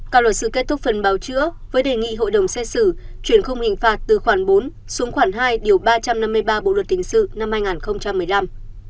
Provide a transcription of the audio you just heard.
các luật sư kết thúc phần báo chữa với đề nghị hội đồng xét xử chuyển khung hình phạt từ khoảng bốn xuống khoảng hai điều ba trăm năm mươi ba bộ luật tình sự năm hai nghìn một mươi năm